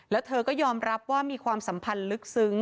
แล้วเธอก็ยอมรับว่ามีความสัมพันธ์ลึกซึ้ง